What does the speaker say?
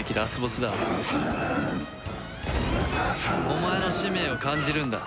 お前の使命を感じるんだ。